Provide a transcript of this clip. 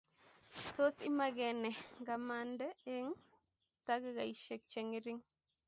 tos imagene ngamande eng takikaishek chengering